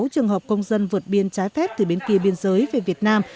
sáu trường hợp công dân vượt biên trái phép từ bên kia biên giới về việt nam